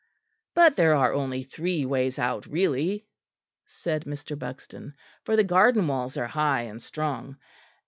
"But there are only three ways out, really," said Mr. Buxton, "for the garden walls are high and strong.